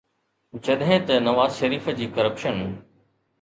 جڏهن ته نواز شريف جي ڪرپشن